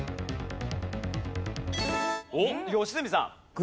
おっ良純さん。